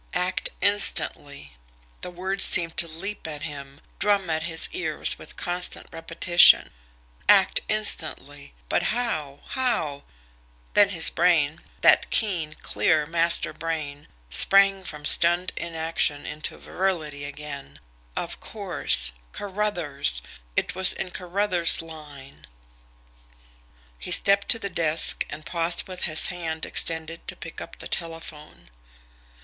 "Act instantly!" The words seemed to leap at him, drum at his ears with constant repetition. Act instantly! But how? How? Then his brain that keen, clear, master brain sprang from stunned inaction into virility again. Of course Carruthers! It was in Carruthers' line. He stepped to the desk and paused with his hand extended to pick up the telephone.